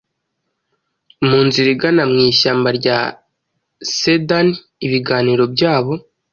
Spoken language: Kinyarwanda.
munzira igana mwishyamba rya Cedarnibiganiro byabo